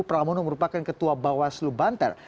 pramono merupakan ketua bawaslu banten